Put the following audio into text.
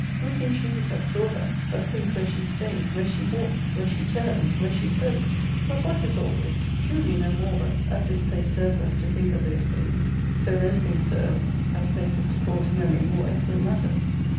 Who can choose that saw her but think where she stayed, where she walked, where she turned, where she spoke ? But what is all this ? Truly no more but, as thisj)lace served us to think of those things, so those things serve as places to call B 2 \ 4 ARCADIA.Sook L to memory more excellent matters.